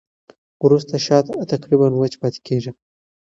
وروسته شات تقریباً وچ پاتې کېږي.